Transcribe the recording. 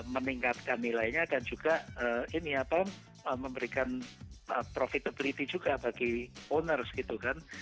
meningkatkan nilainya dan juga ini apa memberikan profitability juga bagi owners gitu kan